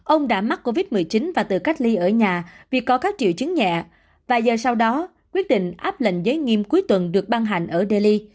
ông đã mắc covid một mươi chín và tự cách ly ở nhà vì có các triệu chứng nhẹ và giờ sau đó quyết định áp lệnh giới nghiêm cuối tuần được ban hành ở delhi